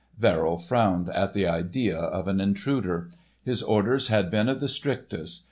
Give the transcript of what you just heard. Verrill frowned at the idea of an intruder. His orders had been of the strictest.